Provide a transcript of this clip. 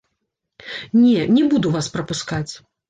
Не, не буду вас прапускаць.